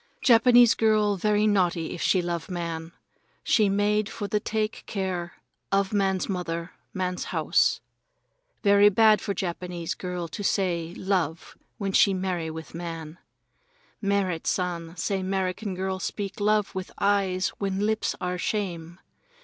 Japanese girl very naughty if she love man. She made for the take care of man's mother, man's house. Very bad for Japanese girl to say love when she marry with man. Merrit San say 'Merican girl speak love with eyes when lips are shame.